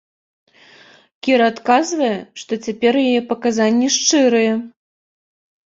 Кіра адказвае, што цяпер яе паказанні шчырыя.